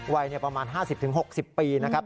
วัยประมาณ๕๐๖๐ปีนะครับ